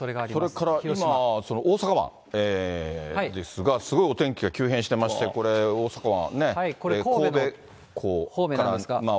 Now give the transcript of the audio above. それから今、大阪湾ですが、すごいお天気が急変していまして、これ、大阪湾。